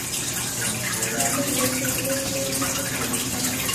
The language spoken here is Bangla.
নতুন দেশে গেলে সেই দেশের মানুষ, সংস্কৃতি, ভাষার সঙ্গে পরিচিত হব।